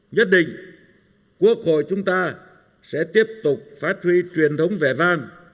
nhất định quốc hội chúng ta sẽ tiếp tục phát huy truyền thống vẻ vang